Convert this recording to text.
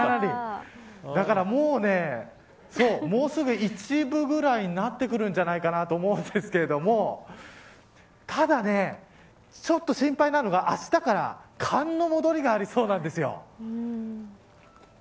だから、もうすぐ１分ぐらいになってくるんじゃないかなと思うんですがただちょっと心配なのがあしたから寒の戻りがありそうなんです。